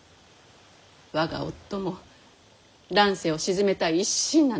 我が夫も乱世を鎮めたい一心なのでごぜえます。